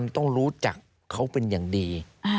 ต้องรู้จักเขาเป็นอย่างดี